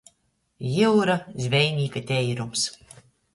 Jiura - zvejnīka teirums.